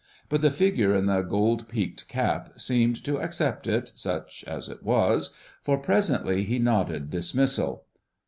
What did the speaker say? But the figure in the gold peaked cap seemed to accept it, such as it was, for presently he nodded dismissal.